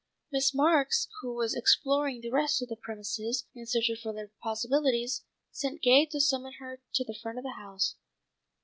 Miss Marks, who was exploring the rest of the premises in search of further possibilities, sent Gay to summon her to the front of the house.